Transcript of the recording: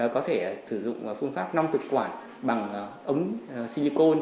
có thể sử dụng phương pháp nong thực quả bằng ống silicone